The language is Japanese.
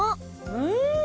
うん！